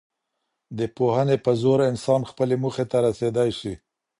د پوهني په زور انسان خپلي موخې ته رسېدی سي.